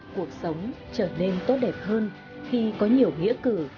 cuộc sống trở nên tốt đẹp hơn khi có nhiều nghĩa cử